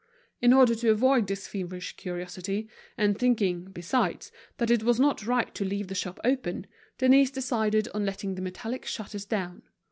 In order to avoid this feverish curiosity, and thinking, besides, that it was not right to leave the shop open, Denise decided on letting the metallic shutters down.